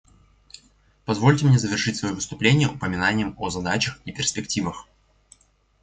Позвольте мне завершить свое выступление упоминанием о задачах и перспективах.